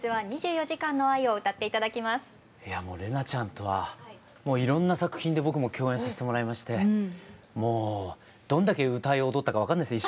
玲奈ちゃんとはもういろんな作品で僕も共演させてもらいましてもうどんだけ歌い踊ったか分かんないです